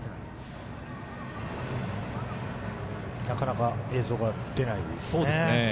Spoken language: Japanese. なかなか映像が出ないですね。